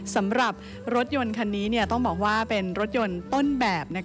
สำหรับรถยนต์คันนี้ต้องบอกว่าเป็นรถยนต์ต้นแบบ